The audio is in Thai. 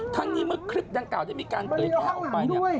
ทั้งนี้เมื่อคลิปด้านเก่าจะมีการเปิดข้างหลังด้วย